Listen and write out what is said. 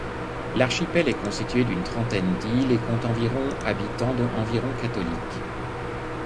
L'archipel est constitué d'une trentaine d'îles et compte environ habitants dont environ catholiques.